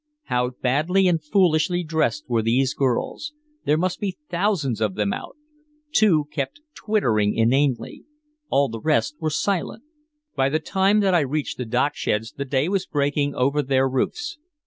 How badly and foolishly dressed were these girls. There must be thousands of them out. Two kept tittering inanely. All the rest were silent. By the time that I reached the docksheds the day was breaking over their roofs.